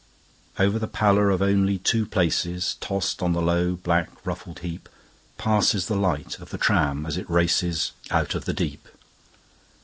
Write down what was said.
Over the pallor of only two placesTossed on the low, black, ruffled heapPasses the light of the tram as it racesOut of the deep.